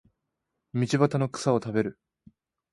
道端の草を食べる